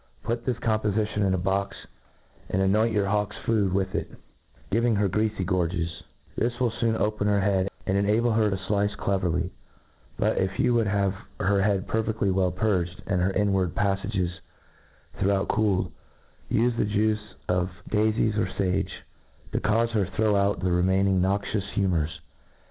Put tlu$ compofuion in a box^ and anoint your 45<J A T R E ATIS E Oi^ your hawk's food with it, giving her cafy gtk* ges. This will foou open her head^ and enable her to ffice cleverly. But, i^ you would havtf her head perfeftly well purged, and her inward paffages thoroughly cooled, life the juice of daifies or fage, to caufe her throw out the re maining noxidus humours.